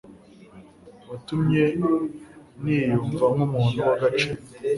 Watumye niyumva nk’umuntu w’agaciro